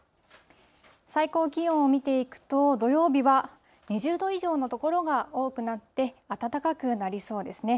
最高気温を見ていくと、土曜日は２０度以上の所が多くなって、暖かくなりそうですね。